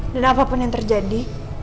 dan apapun yang terjadi